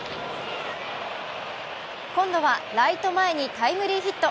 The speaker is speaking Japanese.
今度はライト前にタイムリーヒット。